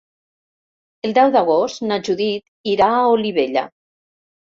El deu d'agost na Judit irà a Olivella.